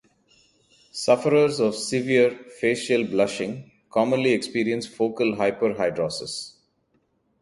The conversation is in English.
Sufferers of severe facial blushing commonly experience focal hyperhidrosis.